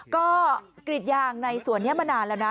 ก็กรีดยางในสวนนี้มานานแล้วนะ